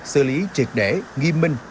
xử lý triệt để nghiêm minh